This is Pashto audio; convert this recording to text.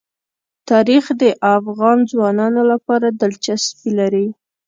تاریخ د افغان ځوانانو لپاره دلچسپي لري.